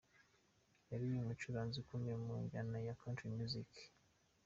Yari umucuranzi ukomeye mu njyana ya Country music.